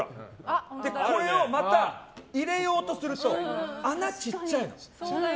これをまた、入れようとすると穴ちっちゃいの。